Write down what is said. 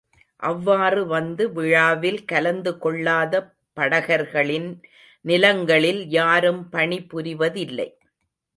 அவ்வாறு வந்து விழாவில் கலந்து கொள்ளாத படகர்களின் நிலங்களில் யாரும் பணி புரிவதில்லை.